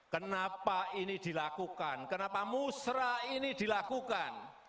kenapa ini dilakukan kenapa musrah ini dilakukan